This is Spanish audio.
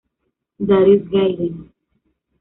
Darius Gaiden